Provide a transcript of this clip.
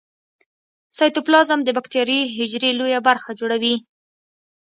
سایتوپلازم د باکتریايي حجرې لویه برخه جوړوي.